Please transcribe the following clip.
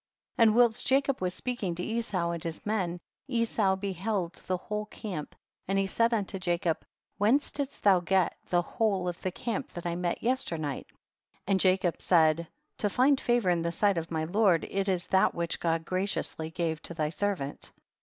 61. And whilst Jacob was speak ing to Esau and his men, Esau be held the whole camp, and he said unto Jacob, whence didst thou get the whole of the camp that I met yesternight ? and Jacob said, to find favor in the sight of my Lord, it is that which God graciously gave to thy servant.